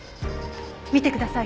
見てください。